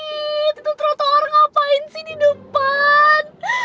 itu terotong orang ngapain sih di depan